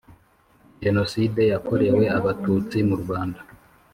Genocide yakorewe Abatutsi mu Rwanda